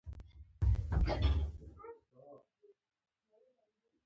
تاسو ښه ښکارئ